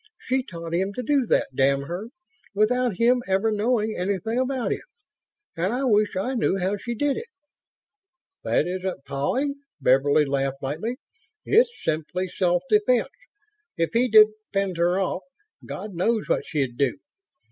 She taught him to do that, damn her, without him ever knowing anything about it ... and I wish I knew how she did it." "That isn't pawing," Beverly laughed lightly. "It's simply self defense. If he didn't fend her off, God knows what she'd do.